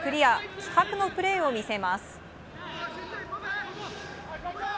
気迫のプレーを見せます。